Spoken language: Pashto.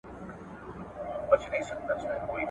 زما د مینی شور به تل وی زما د مینی اور به بل وی ..